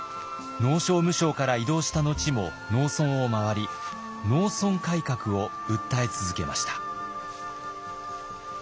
農商務省から異動した後も農村を回り農村改革を訴え続けました。